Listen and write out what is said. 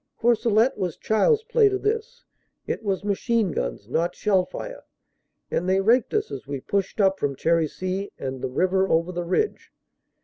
"Courcellete was child s play to this. It was machine guns, not shell fire, and they raked us as we pushed up from Cherisy and the river over the ridge.